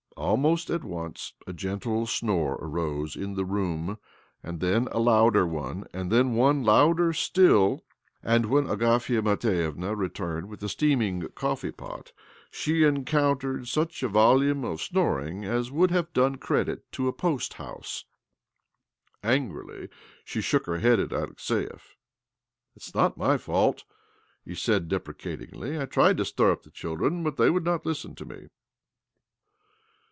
Almost at once a gentle snore arose in the room — then a louder one — then one louder still ; and when Agafia Matvievna returned with the steaming coffee pot she encountered such a volume of snoring as would have done credit to a post house. Angrily she shook her head at Alexiev. " It is not my fault," he said deprecatingly. " I tried to stir up the children, but they would not listen to me."